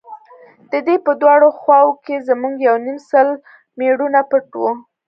د درې په دواړو خواوو کښې زموږ يو يونيم سل مېړونه پټ وو.